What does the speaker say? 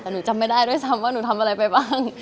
แต่หนูจำไม่ได้ด้วยซ้ำว่าหนูทำอะไรไปบ้าง